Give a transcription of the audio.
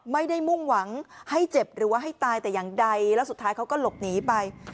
มุ่งหวังให้เจ็บหรือว่าให้ตายแต่อย่างใดแล้วสุดท้ายเขาก็หลบหนีไป